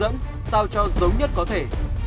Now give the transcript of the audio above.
hướng dẫn sao cho giống nhất có thể